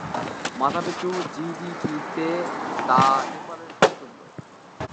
মাথাপিছু জিডিপি-তে তা নেপালের সমতুল্য।